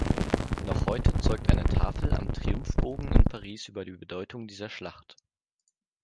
Noch heute zeugt eine Tafel am Triumphbogen in Paris über die Bedeutung dieser Schlacht.